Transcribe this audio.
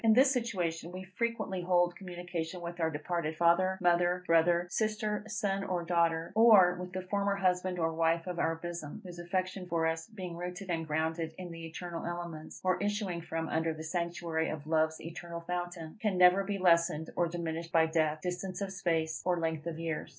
In this situation, we frequently hold communication with our departed father, mother, brother, sister, son or daughter; or with the former husband or wife of our bosom, whose affection for us, being rooted and grounded in the eternal elements, or issuing from under the sanctuary of Love's eternal fountain, can never be lessened or diminished by death, distance of space, or length of years.